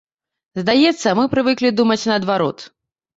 Здаецца, мы прывыклі думаць наадварот.